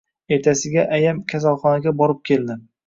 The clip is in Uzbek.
Ertasiga ayam kasalxonaga borib keldi.